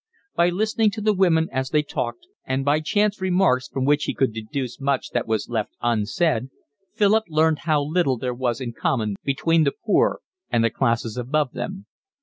By listening to the women as they talked and by chance remarks from which he could deduce much that was left unsaid, Philip learned how little there was in common between the poor and the classes above them.